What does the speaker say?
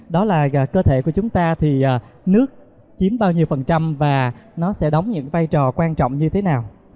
đó là cơ thể của chúng ta thì nước chiếm bao nhiêu phần trăm và nó sẽ đóng những vai trò quan trọng như thế nào